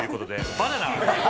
バナナ。